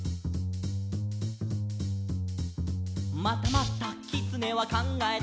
「またまたきつねはかんがえた」